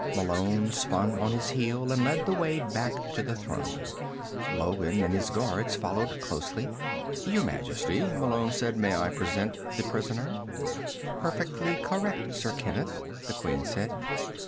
Malone spun on his heel and led the way back to the throne. Logan and his guards followed closely. "Your Majesty," Malone said, "may I present the prisoner?" "Perfectly correct, Sir Kenneth," the Queen said.